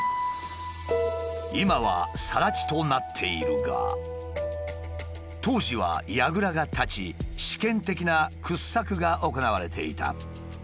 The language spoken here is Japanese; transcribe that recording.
今はさら地となっているが当時はやぐらが立ち試験的な掘削が行われていた。